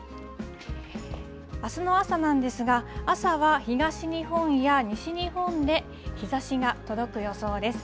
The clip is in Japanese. あすの朝なんですが、朝は東日本や西日本で、日ざしが届く予想です。